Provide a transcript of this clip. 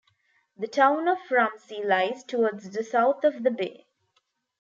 The town of Ramsey lies towards the south of the bay.